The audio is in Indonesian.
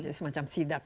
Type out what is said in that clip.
jadi semacam sidak